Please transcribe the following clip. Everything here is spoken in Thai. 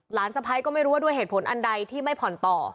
สะพ้ายก็ไม่รู้ว่าด้วยเหตุผลอันใดที่ไม่ผ่อนต่อ